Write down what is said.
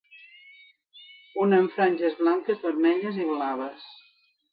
Una amb franges blanques, vermelles i blaves.